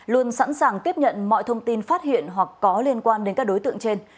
luôn sẵn sàng tiếp nhận mọi thông tin phát hiện hoặc có liên quan đến các đối tượng trên